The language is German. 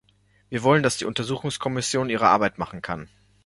Wir wollen, dass die Untersuchungskommission ihre Arbeit machen kann.